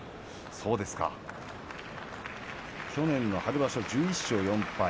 去年の春場所は１１勝４敗。